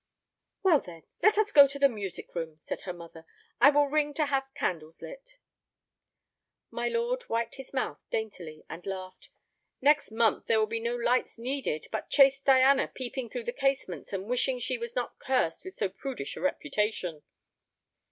"Well, then, let us go to the music room," said her mother. "I will ring to have candles lit." My lord wiped his mouth daintily and laughed. "Next month there will be no lights needed, but chaste Diana peeping through the casements and wishing she was not cursed with so prudish a reputation."